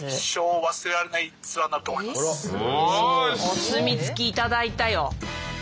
お墨付き頂いたよ。